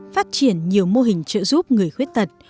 phát triển nhiều mô hình trợ giúp người khuyết tật